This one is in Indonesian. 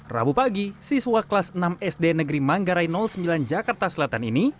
rabu pagi siswa kelas enam sd negeri manggarai sembilan jakarta selatan ini